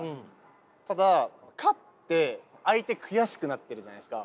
ただ勝って相手悔しくなってるじゃないですか。